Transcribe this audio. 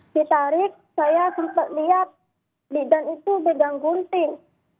ditarik saya sempat lihat bidan itu bidang gunting